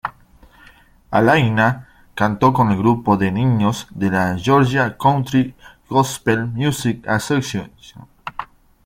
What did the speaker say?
Alaina cantó con el grupo de niños de la "Georgia Country Gospel Music Association".